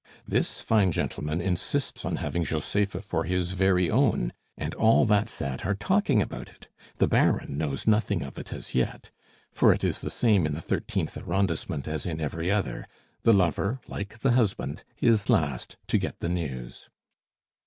This fine gentleman insists on having Josepha for his very own, and all that set are talking about it; the Baron knows nothing of it as yet; for it is the same in the Thirteenth Arrondissement as in every other: the lover, like the husband, is last to get the news.